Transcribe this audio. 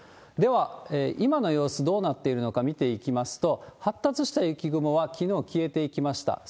では、今の様子どうなっているのか見ていきますと、発達した雪雲は、きのう消えていきました。